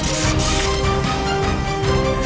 aku sudah menemukan siliwangi